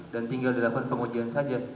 dan tinggal dilakukan pengujian saja